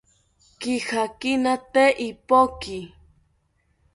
Kijakina tee ipoki